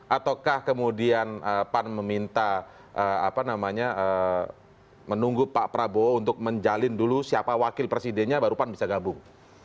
ataukah kemudian pan meminta menunggu pak prabowo untuk menjalin dulu siapa wakil presidennya baru pan bisa gabung